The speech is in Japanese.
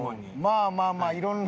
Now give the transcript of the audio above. まあまあまあいろんな。